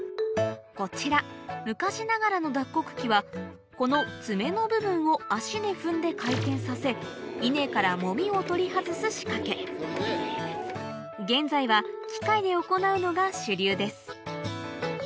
こちら昔ながらの脱穀機はこのツメの部分を足で踏んで回転させ稲から籾を取り外す仕掛け現在は機械で行うのが主流です